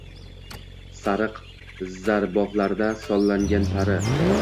Sariq zarboflarda sollangan pari